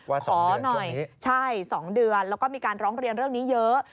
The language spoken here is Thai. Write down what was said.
ขอหน่อยใช่๒เดือนแล้วก็มีการร้องเรียนเรื่องนี้เยอะ